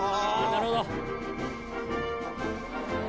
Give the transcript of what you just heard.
なるほど！